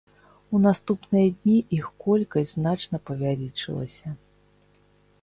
У наступныя дні іх колькасць значна павялічылася.